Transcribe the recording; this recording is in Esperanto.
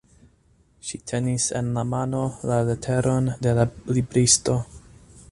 Ŝi tenis en la mano la leteron de la libristo.